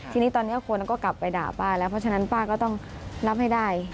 ทีนี้ตอนนี้คนก็กลับไปด่าป้าแล้วเพราะฉะนั้นป้าก็ต้องรับให้ได้